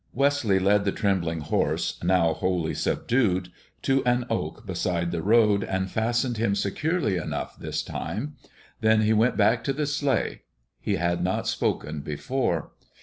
Wesley led the trembling horse, now wholly subdued, to an oak beside the road, and fastened him securely enough this time. Then he went back to the sleigh. He had not spoken before.